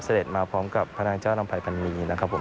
เสร็จมาพร้อมกับพระนางเจ้าลำไพรภัณฑีนะครับผม